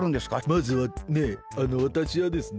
まずはねわたしはですね